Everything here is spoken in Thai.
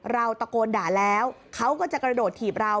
เราตะโกนด่าแล้วเขาก็จะกระโดดถีบเรา